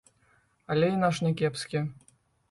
Але і наш някепскі.